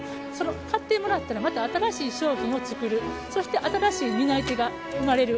買ってもらったら、また新しい商品を作る、そして新しい担い手が生まれる。